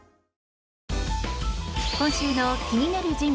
今週の気になる人物